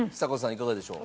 いかがでしょう？